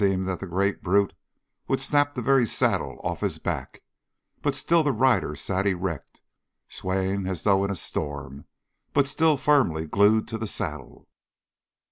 It seemed that the great brute would snap the very saddle off his back, but still the rider sat erect, swaying as though in a storm, but still firmly glued to the saddle.